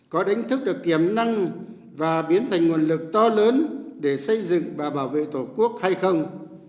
có đánh thức được kiểm năng và biến thành nguồn lực to lớn để xây dựng và bảo vệ tổ quốc hay không